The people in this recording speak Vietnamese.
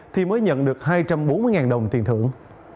thì mới nhận được hai trăm bốn mươi đồng tiền thưởng